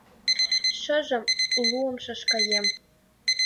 — Шыжым луымшыш каем.